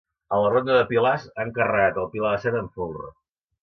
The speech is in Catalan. En la ronda de pilars, han carregat el pilar de set amb folre.